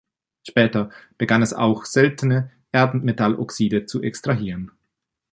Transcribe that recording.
Später begann es auch seltene Erdmetall-Oxide zu extrahieren.